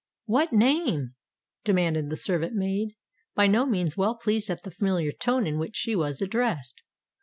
"What name?" demanded the servant maid, by no means well pleased at the familiar tone in which she was addressed.